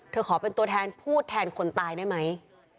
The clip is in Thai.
ขอเป็นตัวแทนพูดแทนคนตายได้ไหม